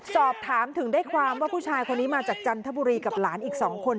สอบถามถึงได้ความว่าผู้ชายคนนี้มาจากจันทบุรีกับหลานอีก๒คน